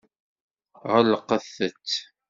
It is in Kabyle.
Ɣelqet-t.